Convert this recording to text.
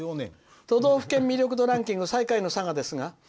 都道府県魅力度ランキング最下位の佐賀ですが」。